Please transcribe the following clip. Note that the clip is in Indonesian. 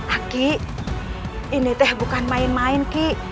aki ini teh bukan main main ki